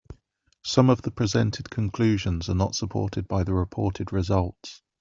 Some of the presented conclusions are not supported by the reported results.